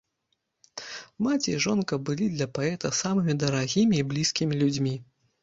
Маці і жонка былі для паэта самымі дарагімі і блізкімі людзьмі.